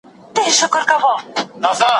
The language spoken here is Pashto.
که ماشوم ته مینه ورکړو، نو هغه به د ټولنې برخه سي.